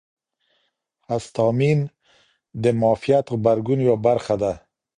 هسټامین د معافیت غبرګون یوه برخه ده.